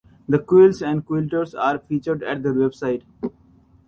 The quilts and quilters are featured at their website.